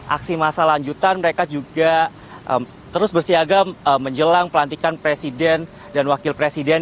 karena aksi masa lanjutan mereka juga terus bersiaga menjelang pelantikan presiden dan wakil presiden